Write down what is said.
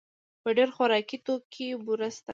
په ډېر خوراکي توکو کې بوره شته.